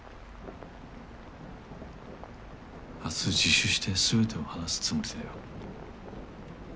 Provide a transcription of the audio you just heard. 明日自首して全てを話すつもりだよ。